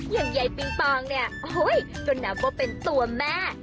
อย่างใยปิงปองเนี่ยโหยจนน้ำก็เป็นตัวแม่